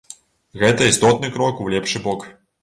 Гэта істотны крок у лепшы бок.